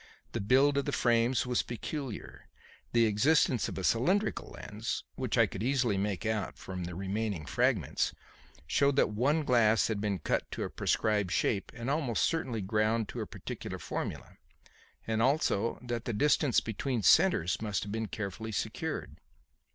The build of the frames was peculiar; the existence of a cylindrical lens which I could easily make out from the remaining fragments showed that one glass had been cut to a prescribed shape and almost certainly ground to a particular formula, and also that the distance between centres must have been carefully secured.